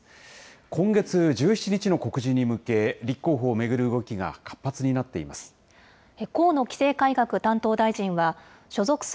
今月１７日の告示に向け、立候補を巡る動きが活発になっています。